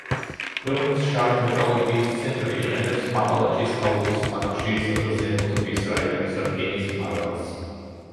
ქვეყნის შავი მეტალურგიის ცენტრი, იყენებს აპალაჩის აუზის ქვანახშირსა და ზემო ტბის რაიონის რკინის მადანს.